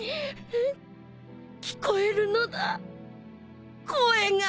聞こえるのだ声が！